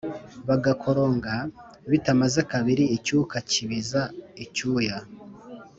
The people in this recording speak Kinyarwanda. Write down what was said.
bagakoronga Bitamaze kabiri icyuka kibiza icyuya